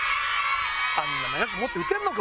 あんな長く持って打てんのか？